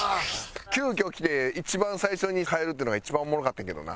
急遽来て一番最初に帰るっていうのが一番おもろかってんけどな。